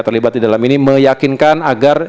terlibat di dalam ini meyakinkan agar